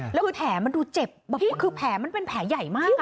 แล้วคือแผลมันดูเจ็บคือแผลมันเป็นแผลใหญ่มาก